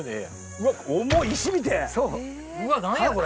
うわっ何やこれ。